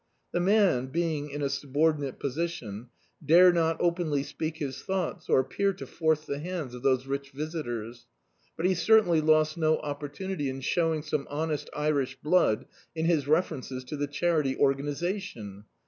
The man, being in a subordinate positirai, dare not openly speak his thou^ts, or appear to force the bands df those ridi visitors, but he certainly lost no opportunity in show ing some honest Irish blood in his references to the Charity Organisation.